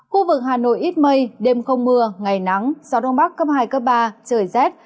khu vực hà nội ít mây đêm không mưa ngày nắng gió đông bắc cấp hai cấp ba trời rét